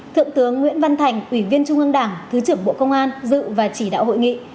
thượng tướng nguyễn văn thành ủy viên trung ương đảng thứ trưởng bộ công an dự và chỉ đạo hội nghị